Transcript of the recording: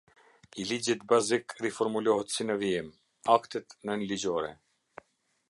I Ligjit bazik riformulohet si në vijim: Aktet nënligjore.